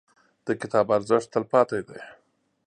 • د کتاب ارزښت، تلپاتې دی.